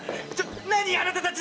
なにあなたたち⁉